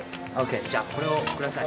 じゃあこれを下さい。